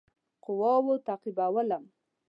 قواوو تعقیبولم.